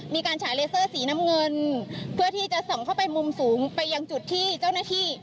ฉายเลเซอร์สีน้ำเงินเพื่อที่จะส่องเข้าไปมุมสูงไปยังจุดที่เจ้าหน้าที่